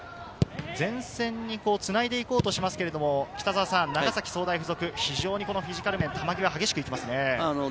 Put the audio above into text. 前線につないでいこうとしますが、長崎総大附属、フィジカル面、球際、激しく行きますね。